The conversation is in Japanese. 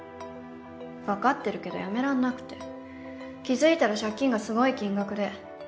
わかってるけどやめらんなくて気付いたら借金がすごい金額で。